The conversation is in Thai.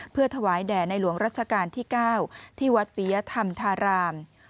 เพื่อถวายแด่ในหลวงรัชกาลที่๙ที่วัดปียธรรมธาราม